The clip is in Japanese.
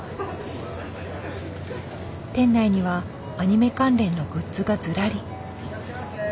店内にはアニメ関連のグッズがずらり。